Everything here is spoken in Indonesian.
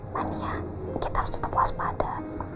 makanya kita harus tetap waspada